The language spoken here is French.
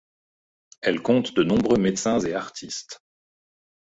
Elle compte de nombreux médecins et artistes.